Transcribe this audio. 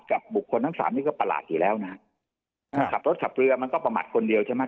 กับบุคคลทั้งสามนี่ก็ประหลาดอยู่แล้วนะฮะอ่าขับรถขับเรือมันก็ประมาทคนเดียวใช่ไหม